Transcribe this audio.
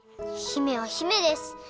姫は姫です。